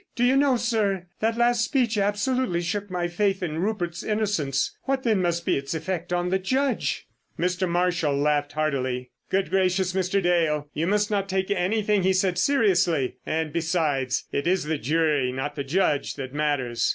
Do you know, sir, that last speech absolutely shook my faith in Rupert's innocence; what, then, must be its effect on the Judge!" Mr. Marshall laughed heartily. "Good gracious, Mr. Dale, you must not take anything he said seriously; and, besides, it is the jury, not the Judge, that matters.